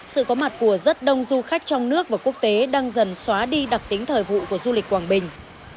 sự có mặt của rất đông du khách trong nước và quốc tế đang dần xóa đi đặc tính thời vụ của du lịch quảng bình